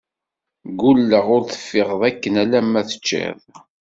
Ggulleɣ ur teffiɣeḍ akken alamma teččiḍ!